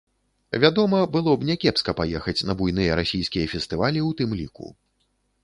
Вядома, было б някепска паехаць на буйныя расійскія фестывалі ў тым ліку.